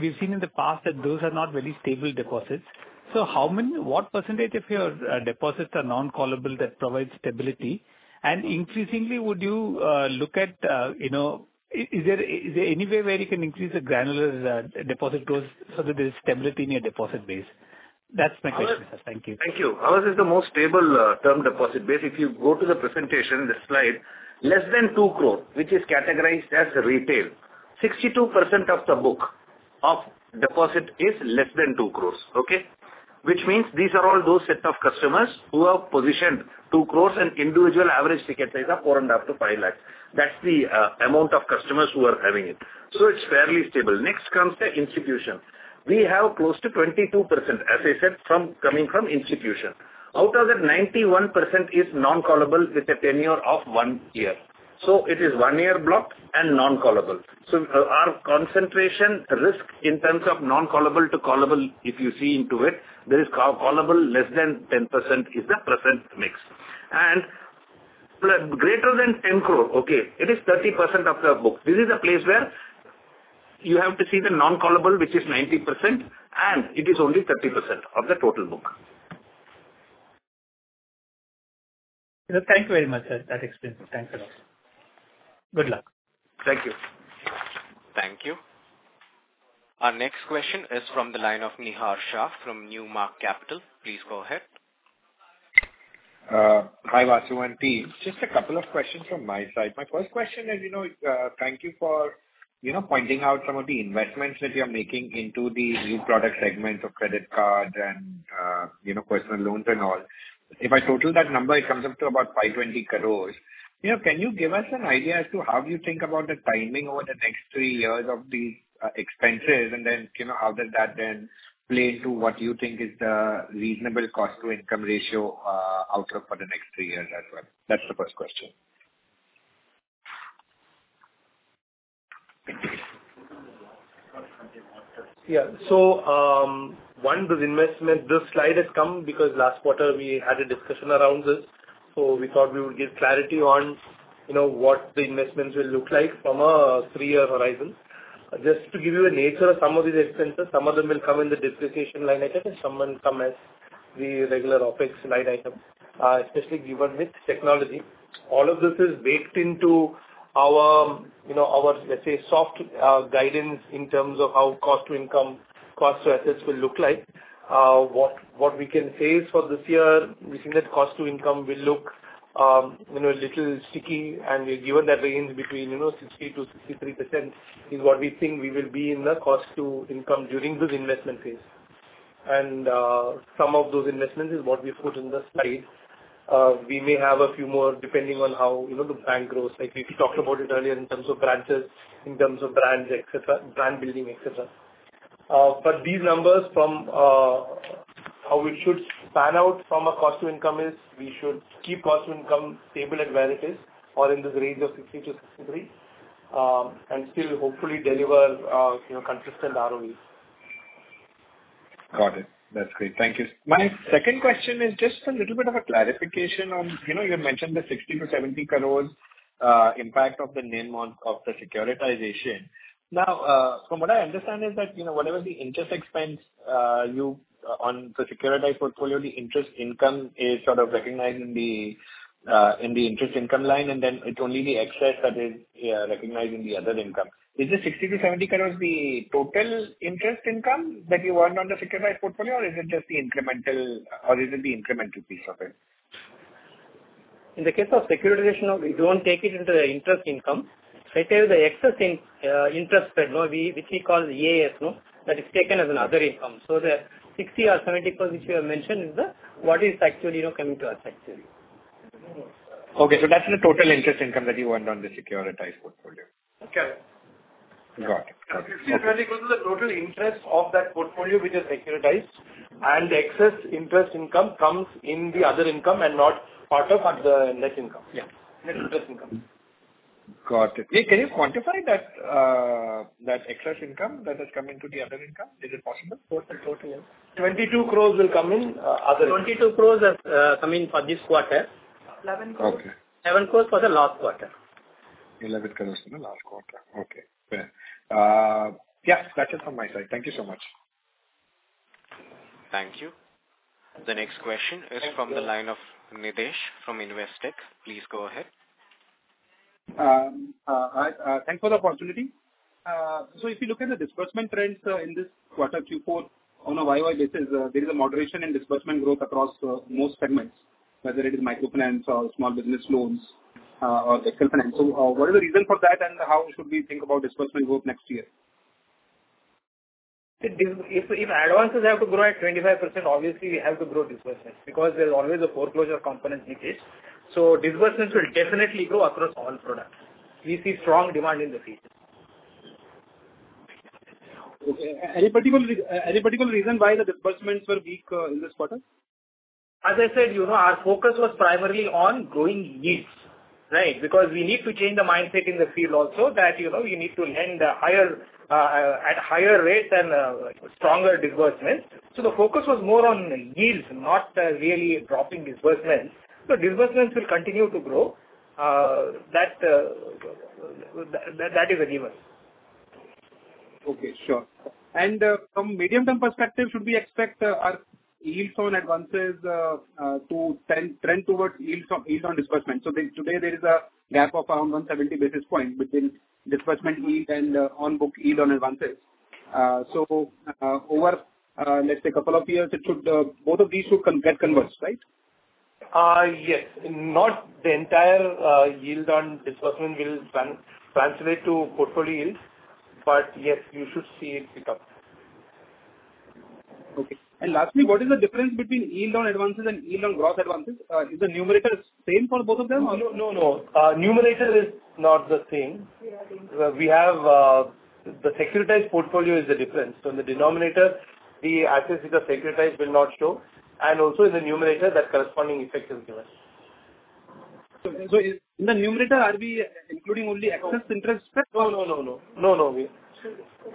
we've seen in the past that those are not very stable deposits. So how many—what percentage of your deposits are non-callable that provide stability? And increasingly, would you look at, you know, is there any way where you can increase the granular deposit growth so that there's stability in your deposit base? That's my question, thank you. Thank you. Ours is the most stable term deposit base. If you go to the presentation, the slide, less than 2 crore, which is categorized as retail, 62% of the book of deposit is less than 2 crores, okay? Which means these are all those set of customers who have positioned 2 crores and individual average ticket size of 4.5 lakh-5 lakh. That's the amount of customers who are having it, so it's fairly stable. Next comes the institution. We have close to 22%, as I said, from coming from institution. Out of that, 91% is non-callable with a tenure of one year. So it is one year block and non-callable. So our concentration risk in terms of non-callable to callable, if you see into it, there is callable less than 10% is the present mix. Plus greater than 10 crore, okay? It is 30% of the book. This is a place where you have to see the non-callable, which is 90%, and it is only 30% of the total book. Thank you very much, sir. That explains it. Thanks a lot. Good luck. Thank you. Thank you. Our next question is from the line of Nihar Shah from New Mark Capital. Please go ahead. Hi, Vasu and team. Just a couple of questions from my side. My first question is, you know, thank you for, you know, pointing out some of the investments that you are making into the new product segments of credit card and, you know, personal loans and all. If I total that number, it comes up to about 520 crore. You know, can you give us an idea as to how you think about the timing over the next three years of the, expenses? And then, you know, how does that then play into what you think is the reasonable cost to income ratio, outlook for the next three years as well? That's the first question. Yeah. So, one, this investment, this slide has come because last quarter we had a discussion around this, so we thought we would give clarity on, you know, what the investments will look like from a three-year horizon. Just to give you a nature of some of these expenses, some of them will come in the depreciation line item, and some will come as the regular OpEx line item, especially given with technology. All of this is baked into our, you know, our, let's say, soft, guidance in terms of how cost to income, cost to assets will look like. What we can say is for this year, we think that cost to income will look, you know, a little sticky, and we've given that range between, you know, 60%-63% is what we think we will be in the cost to income during this investment phase. Some of those investments is what we've put in the slide. We may have a few more, depending on how, you know, the bank grows. Like, we talked about it earlier in terms of branches, in terms of brands, et cetera, brand building, et cetera. But these numbers from how it should pan out from a cost to income is, we should keep cost to income stable at where it is or in this range of 60%-63%, and still hopefully deliver, you know, consistent ROEs. Got it. That's great. Thank you. My second question is just a little bit of a clarification on, you know, you mentioned the 60-70 crores, impact of the NIM on, of the securitization. Now, from what I understand is that, you know, whatever the interest expense, you, on the securitized portfolio, the interest income is sort of recognized in the, in the interest income line, and then it's only the excess that is recognized in the other income. Is the 60-70 crores the total interest income that you earned on the securitized portfolio, or is it just the incremental, or is it the incremental piece of it? In the case of securitization, we don't take it into the interest income. So it is the excess in interest spread, which we call AIS, that is taken as other income. So the 60 crore or 70 crore which you have mentioned is the, what is actually, you know, coming to us actually. Okay, so that's the total interest income that you earned on the securitized portfolio? Correct. Got it. It's really because of the total interest of that portfolio, which is securitized, and the excess interest income comes in the other income and not part of the net income. Yeah. Net interest income. Got it. Hey, can you quantify that, that excess income that has come into the other income? Is it possible? Total, total, yeah. 22 crore will come in, other income. 22 crore are coming for this quarter. Eleven crores. 11 crore for the last quarter. 11 crore in the last quarter. Okay, fair. Yeah, that's it from my side. Thank you so much. Thank you. The next question is from the line of Nidhesh from Investec. Please go ahead. Hi, thanks for the opportunity. So if you look at the disbursement trends in this quarter, Q4, on a year-over-year basis, there is a moderation in disbursement growth across most segments, whether it is Microfinance or Small Business Loans or advances. So, what is the reason for that, and how should we think about disbursement growth next year? If advances have to grow at 25%, obviously we have to grow disbursements, because there's always a foreclosure component in it. So disbursements will definitely grow across all products. We see strong demand in the field.... Okay. Any particular reason why the disbursements were weak in this quarter? As I said, you know, our focus was primarily on growing yields, right? Because we need to change the mindset in the field also, that, you know, you need to lend higher, at higher rates and, stronger disbursements. So the focus was more on yields, not really dropping disbursements. So disbursements will continue to grow, that is a given. Okay, sure. From medium-term perspective, should we expect our yields on advances to trend towards yields on disbursements? So today, there is a gap of around 170 basis points between disbursement yield and on-book yield on advances. So over, let's say, couple of years, it should both of these should converge, right? Yes. Not the entire yield on disbursement will translate to portfolio yields, but yes, you should see it pick up. Okay. And lastly, what is the difference between yield on advances and yield on gross advances? Is the numerator same for both of them, or? No, no, no. Numerator is not the same. Yeah. We have, the securitized portfolio is the difference. So in the denominator, the assets with the securitized will not show, and also in the numerator, that corresponding effect is given. So, in the numerator, are we including only excess interest? No, no, no, no. No, no, we-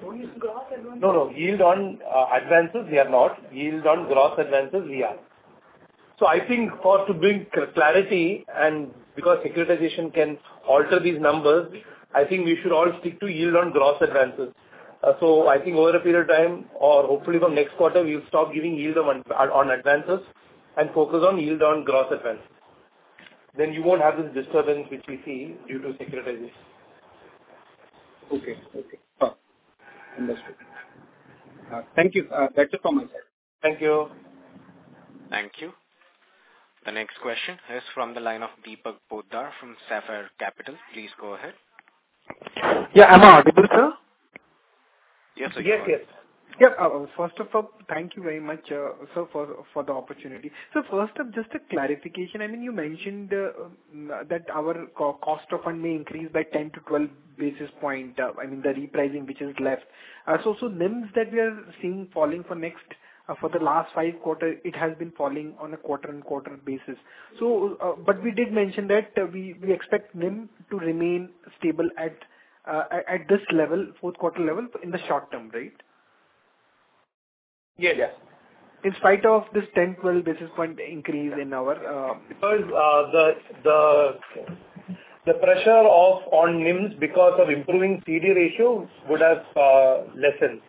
Only gross advances. No, no. Yield on advances, we are not. Yield on gross advances, we are. So I think for to bring clarity, and because securitization can alter these numbers, I think we should all stick to yield on gross advances. So I think over a period of time, or hopefully from next quarter, we'll stop giving yield on advances and focus on yield on gross advances. Then you won't have this disturbance which we see due to securitization. Okay. Okay, fine. Understood. Thank you. That's it from my side. Thank you. Thank you. The next question is from the line of Deepak Poddar from Sapphire Capital. Please go ahead. Yeah, am I audible, sir? Yes. Yes, yes. Yeah. First of all, thank you very much, sir, for the opportunity. So first up, just a clarification. I mean, you mentioned that our cost of funds may increase by 10-12 basis points, I mean, the repricing which is left. So, NIMs that we are seeing falling for the last five quarters, it has been falling on a quarter and quarter basis. So, but we did mention that, we expect NIM to remain stable at this level, fourth quarter level, in the short term, right? Yes. Yes. In spite of this 10-12 basis point increase in our, Because the pressure on NIMs because of improving CD ratio would have lessened.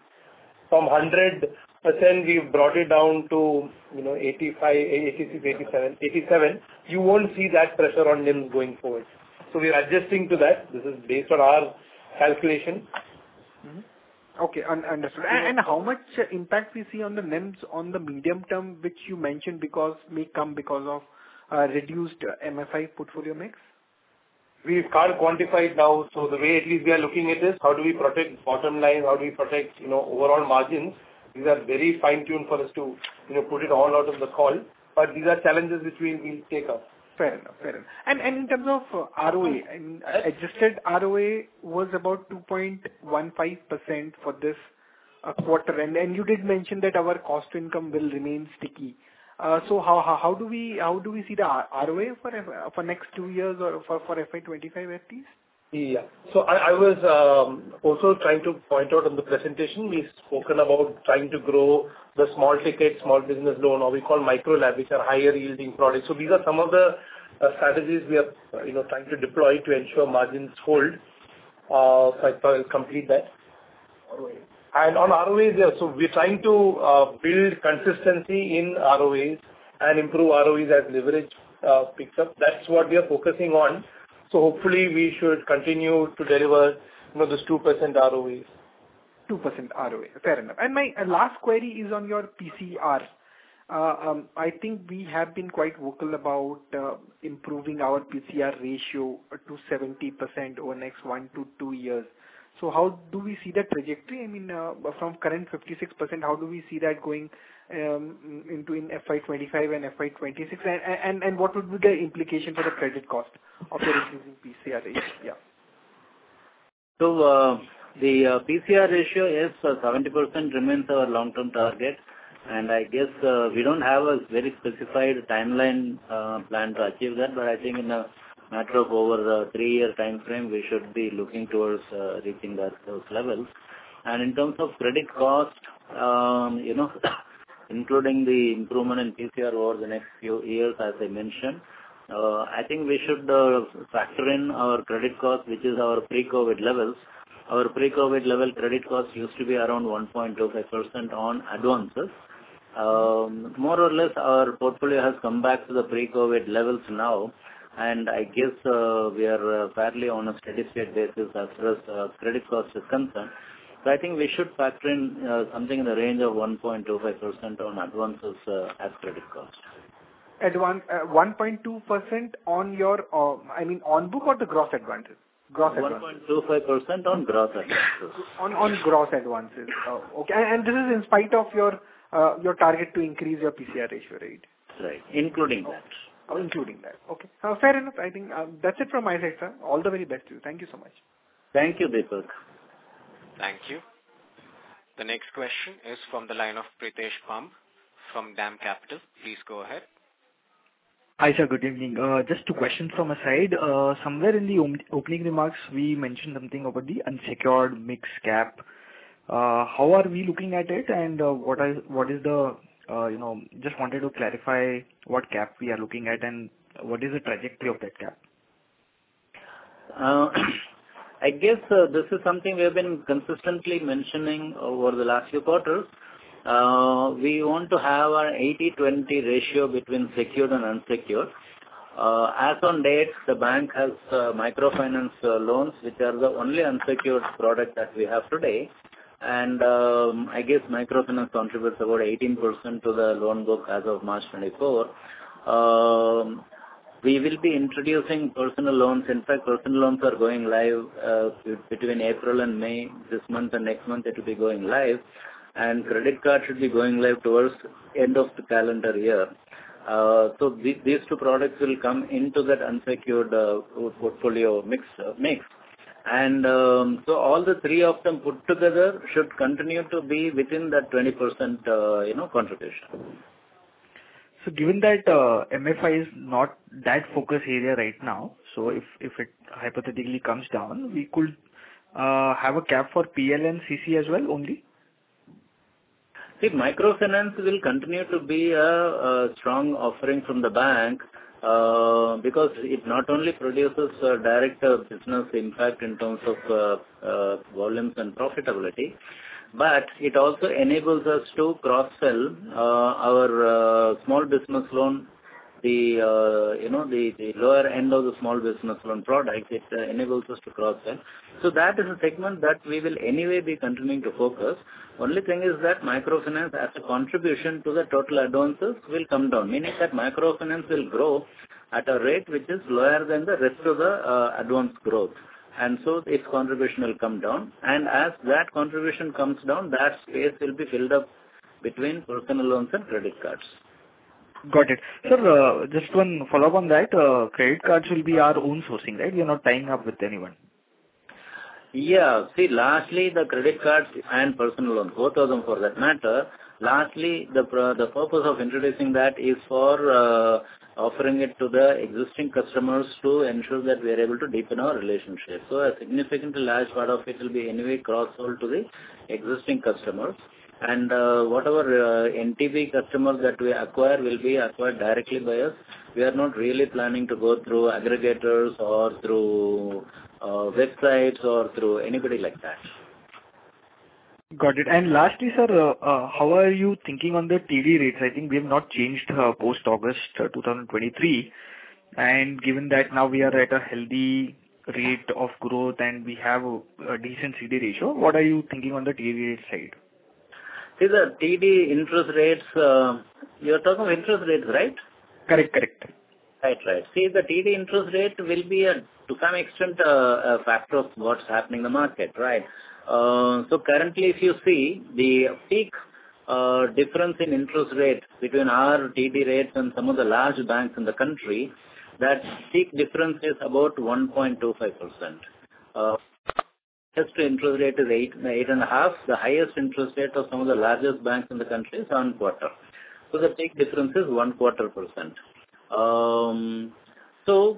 From 100%, we've brought it down to, you know, 85, 86, 87, 87. You won't see that pressure on NIMs going forward. So we are adjusting to that. This is based on our calculation. Mm-hmm. Okay, understood. Yeah. And how much impact we see on the NIMs on the medium term, which you mentioned, because may come because of reduced MFI portfolio mix? We can't quantify it now, so the way at least we are looking at is, how do we protect bottom line? How do we protect, you know, overall margins? These are very fine-tuned for us to, you know, put it all out of the call, but these are challenges which we will take up. Fair enough. Fair enough. And, and in terms of ROA, and adjusted ROA was about 2.15% for this quarter. And, and you did mention that our cost to income will remain sticky. So how do we see the ROA for next two years or for FY 2025 at least? Yeah. So I was also trying to point out on the presentation, we've spoken about trying to grow the small ticket, Small Business Loan, or we call Micro LAP, which are higher-yielding products. So these are some of the strategies we are, you know, trying to deploy to ensure margins hold. So I'll complete that. ROA. On ROAs, yeah, so we're trying to build consistency in ROAs and improve ROAs as leverage picks up. That's what we are focusing on. Hopefully we should continue to deliver, you know, this 2% ROAs. 2% ROA. Fair enough. And my, and last query is on your PCR. I think we have been quite vocal about improving our PCR ratio to 70% over the next 1-2 years. So how do we see that trajectory? From current 56%, how do we see that going into FY 2025 and FY 2026, and what would be the implication for the credit cost of the increasing PCR ratio? Yeah. So, the PCR ratio, yes, 70% remains our long-term target, and I guess, we don't have a very specified timeline, plan to achieve that, but I think in a matter of over the three-year timeframe, we should be looking towards, reaching that, those levels. And in terms of credit cost, you know, more or less, our portfolio has come back to the pre-COVID levels now, and I guess, we are fairly on a steady state basis as far as, credit cost is concerned. I think we should factor in something in the range of 1.25% on advances as credit cost. Advance, 1.2% on your, I mean, on book or the gross advances? Gross advances. 1.25% on gross advances. On gross advances. Okay. And this is in spite of your target to increase your PCR ratio rate? Right. Including that. Including that. Okay, fair enough. I think, that's it from my side, sir. All the very best to you. Thank you so much. Thank you, Deepak. Thank you... The next question is from the line of Pritesh Kumar from DAM Capital. Please go ahead. Hi, sir. Good evening. Just two questions from my side. Somewhere in the opening remarks, we mentioned something about the unsecured MSME cap. How are we looking at it, and what is the, you know, just wanted to clarify what cap we are looking at and what is the trajectory of that cap? I guess, this is something we have been consistently mentioning over the last few quarters. We want to have an 80/20 ratio between secured and unsecured. As on date, the bank has Microfinance loans, which are the only unsecured product that we have today. I guess Microfinance contributes about 18% to the loan book as of March 2024. We will be introducing personal loans. In fact, personal loans are going live between April and May. This month and next month, it will be going live, and credit card should be going live towards end of the calendar year. So these two products will come into that unsecured portfolio mix. So all three of them put together should continue to be within that 20%, you know, contribution. So given that, MFI is not that focus area right now, so if it hypothetically comes down, we could have a cap for PL and CC as well, only? See, Microfinance will continue to be a strong offering from the bank, because it not only produces direct business impact in terms of volumes and profitability, but it also enables us to cross-sell our Small Business Loan, the you know, the lower end of the Small Business Loan product, it enables us to cross-sell. So that is a segment that we will anyway be continuing to focus. Only thing is that Microfinance, as a contribution to the total advances, will come down, meaning that Microfinance will grow at a rate which is lower than the rest of the advance growth, and so its contribution will come down. And as that contribution comes down, that space will be filled up between personal loans and credit cards. Got it. Sir, just one follow-up on that. Credit cards will be our own sourcing, right? We're not tying up with anyone. Yeah. See, lastly, the credit cards and personal loans, both of them for that matter, lastly, the purpose of introducing that is for offering it to the existing customers to ensure that we are able to deepen our relationship. So a significantly large part of it will be anyway cross-sold to the existing customers. And whatever NTB customers that we acquire will be acquired directly by us. We are not really planning to go through aggregators or through websites or through anybody like that. Got it. And lastly, sir, how are you thinking on the TD rates? I think we have not changed post August 2023. And given that now we are at a healthy rate of growth and we have a decent CD ratio, what are you thinking on the TD rate side? See, the TD interest rates, you're talking of interest rates, right? Correct, correct. Right, right. See, the TD interest rate will be a, to some extent, a factor of what's happening in the market, right? So currently, if you see, the peak difference in interest rates between our TD rates and some of the large banks in the country, that peak difference is about 1.25%. Lowest interest rate is 8, 8.5. The highest interest rate of some of the largest banks in the country is one quarter. So the peak difference is 0.25%. So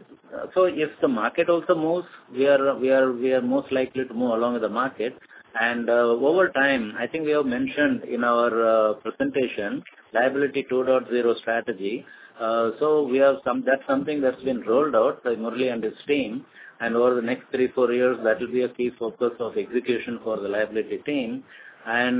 if the market also moves, we are most likely to move along with the market. And over time, I think we have mentioned in our presentation, Liability 2.0 strategy, so we have some... That's something that's been rolled out by Murali and his team, and over the next 3-4 years, that will be a key focus of execution for the liability team. As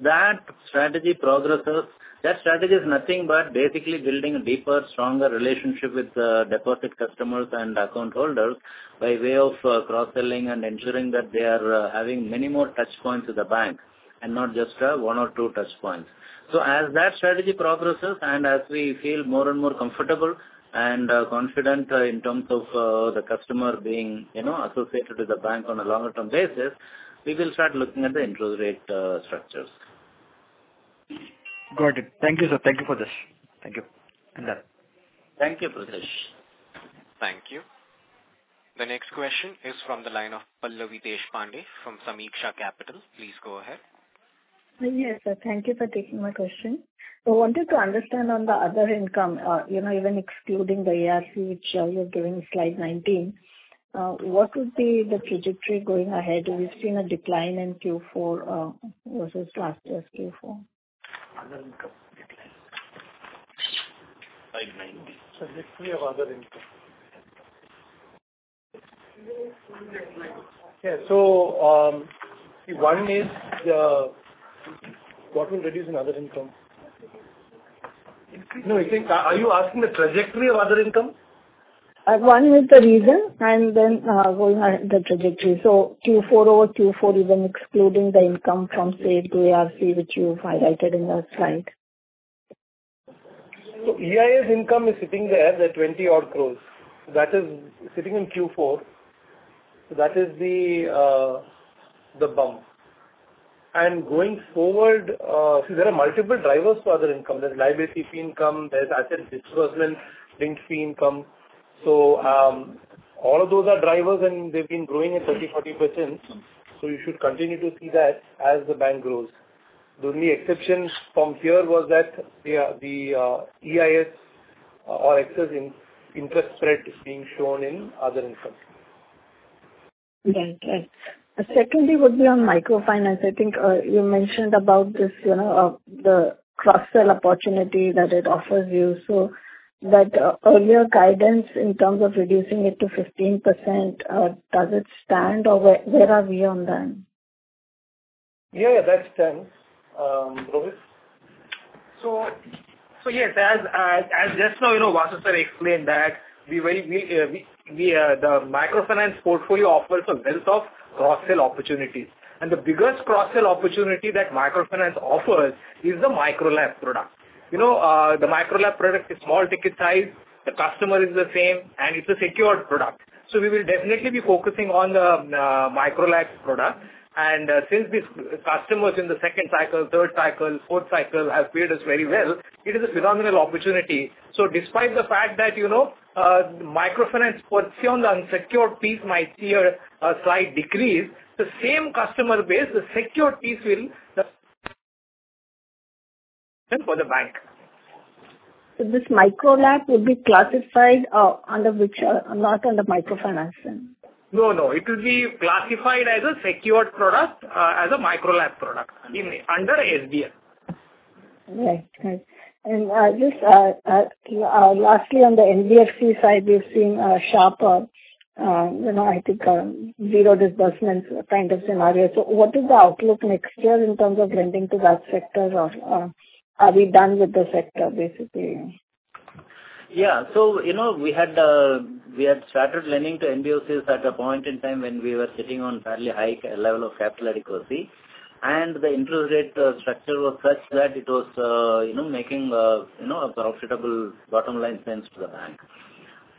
that strategy progresses, that strategy is nothing but basically building a deeper, stronger relationship with deposit customers and account holders by way of cross-selling and ensuring that they are having many more touchpoints with the bank and not just one or two touchpoints. As that strategy progresses and as we feel more and more comfortable and confident in terms of the customer being, you know, associated with the bank on a longer term basis, we will start looking at the interest rate structures. Got it. Thank you, sir. Thank you for this. Thank you, I'm done. Thank you, Pritesh. Thank you. The next question is from the line of Pallavi Deshpande from Sameeksha Capital. Please go ahead. Yes, sir. Thank you for taking my question. So I wanted to understand on the other income, you know, even excluding the ARC, which, you're giving slide 19, what would be the trajectory going ahead? We've seen a decline in Q4, versus last year's Q4. Other income decline. Slide 19. Trajectory of other income. Yeah. So, what will reduce in other income? No, I think, are you asking the trajectory of other income? One is the reason, and then, going by the trajectory. So Q4 over Q4, even excluding the income from, say, the ARC, which you've highlighted in the slide. So AIS income is sitting there, the 20-odd crores. That is sitting in Q4. So that is the bump. And going forward, see, there are multiple drivers for other income. There's liability fee income, there's asset disbursement fee income. So,... All of those are drivers, and they've been growing at 30%-40%, so you should continue to see that as the bank grows. The only exception from here was that the AIS or excess interest spread is being shown in other incomes. Right. Right. Secondly, would be on Microfinance. I think, you mentioned about this, you know, the cross-sell opportunity that it offers you, so that, earlier guidance in terms of reducing it to 15%, does it stand, or where, where are we on that? Yeah, that stands. Rohit? So yes, as just now, you know, Vasu, sir, explained that we very, the Microfinance portfolio offers a wealth of cross-sell opportunities, and the biggest cross-sell opportunity that Microfinance offers is the Micro LAP product. You know, the Micro LAP product is small ticket size, the customer is the same, and it's a secured product. So we will definitely be focusing on the Micro LAP product. And since these customers in the second cycle, third cycle, fourth cycle, have paid us very well, it is a phenomenal opportunity. So despite the fact that, you know, Microfinance portion on the unsecured piece might see a slight decrease, the same customer base, the secured piece will for the bank. So this Micro LAP will be classified under which, not under Microfinance then? No, no. It will be classified as a secured product, as a Micro LAP product in under SBL. Right. Right. And, just, lastly, on the NBFC side, we're seeing a sharper, you know, I think, zero disbursements kind of scenario. So what is the outlook next year in terms of lending to that sector or, are we done with the sector, basically? Yeah. So, you know, we had started lending to NBFCs at a point in time when we were sitting on a fairly high level of capital adequacy, and the interest rate structure was such that it was, you know, making a profitable bottom line sense to the bank.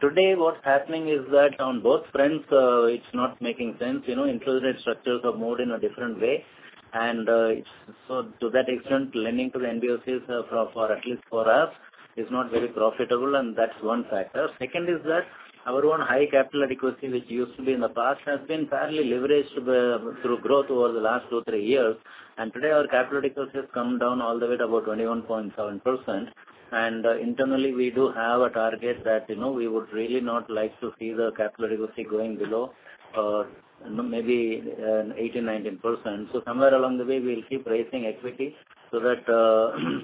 Today, what's happening is that on both fronts, it's not making sense. You know, interest rate structures are more in a different way, and it's... So to that extent, lending to the NBFCs, for at least for us, is not very profitable, and that's one factor. Second is that our own high capital adequacy, which used to be in the past, has been fairly leveraged through growth over the last two, three years. Today, our capital adequacy has come down all the way to about 21.7%, and internally, we do have a target that, you know, we would really not like to see the capital adequacy going below, maybe 18-19%. So somewhere along the way, we'll keep raising equity so that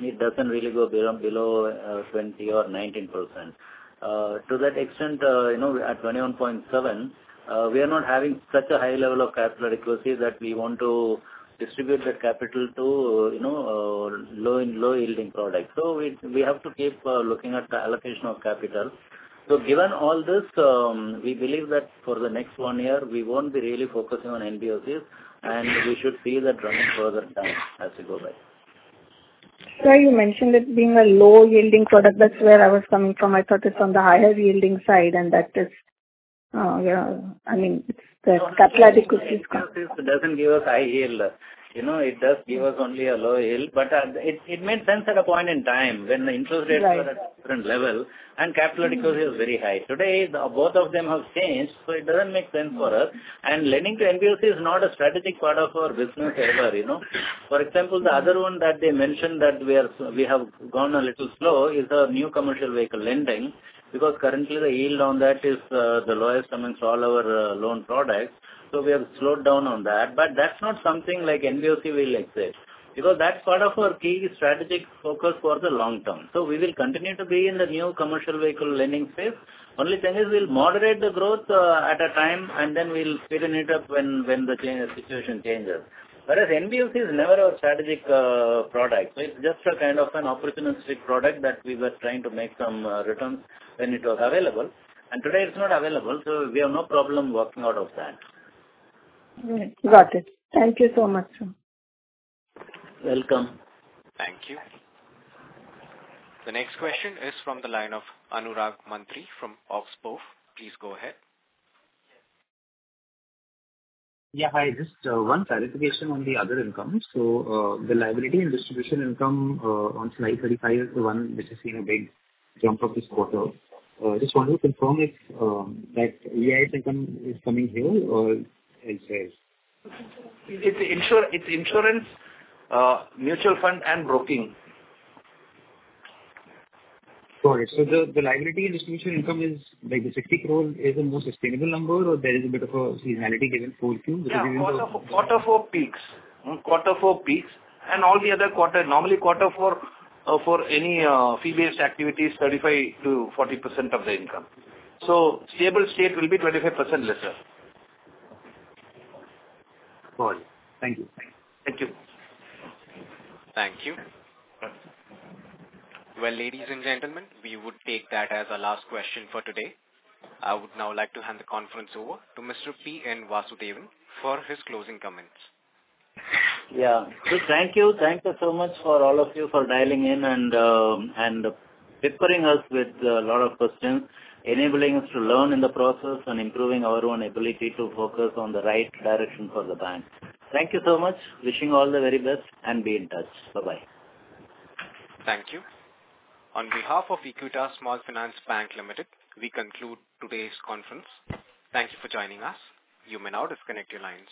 it doesn't really go below 20% or 19%. To that extent, you know, at 21.7%, we are not having such a high level of capital adequacy that we want to distribute that capital to, you know, low-yielding products. So we have to keep looking at the allocation of capital. So given all this, we believe that for the next one year, we won't be really focusing on NBFCs, and we should see the trending further down as we go by. Sir, you mentioned it being a low-yielding product. That's where I was coming from. I thought it's on the higher-yielding side, and that is, you know, I mean, the capital adequacy is- Doesn't give us high yield. You know, it does give us only a low yield, but it made sense at a point in time when the interest rates- Right. were at different level and capital adequacy was very high. Today, both of them have changed, so it doesn't make sense for us. And lending to NBFC is not a strategic part of our business ever, you know? For example, the other one that they mentioned that we are we have gone a little slow is the new commercial vehicle lending, because currently the yield on that is the lowest amongst all our loan products. So we have slowed down on that. But that's not something like NBFC will exit, because that's part of our key strategic focus for the long term. So we will continue to be in the new commercial vehicle lending space. Only thing is we'll moderate the growth at a time, and then we'll speeden it up when the situation changes. Whereas NBFC is never our strategic product. It's just a kind of an opportunistic product that we were trying to make some returns when it was available, and today it's not available, so we have no problem working out of that. Right. Got it. Thank you so much, sir. Welcome. Thank you. The next question is from the line of Anurag Mantri from Oxbow Capital. Please go ahead. Yeah, hi. Just one clarification on the other income. The liability and distribution income on slide 35 is the one which has seen a big jump up this quarter. Just wanted to confirm if that AIS income is coming here or elsewhere? It's insurance, mutual fund, and broking. Got it. So the liability and distribution income is, like, the 60 crore is a more sustainable number, or there is a bit of a seasonality given fourth quarter? Yeah, quarter four, quarter four peaks. Quarter four peaks and all the other quarter... Normally, quarter four, for any, fee-based activity, is 35%-40% of the income. So stable state will be 25% lesser. Got it. Thank you. Thank you. Thank you. Well, ladies and gentlemen, we would take that as our last question for today. I would now like to hand the conference over to Mr. P. N. Vasudevan for his closing comments. Yeah. So thank you. Thank you so much for all of you for dialing in and, and peppering us with a lot of questions, enabling us to learn in the process, and improving our own ability to focus on the right direction for the bank. Thank you so much. Wishing you all the very best, and be in touch. Bye-bye. Thank you. On behalf of Equitas Small Finance Bank Limited, we conclude today's conference. Thank you for joining us. You may now disconnect your lines.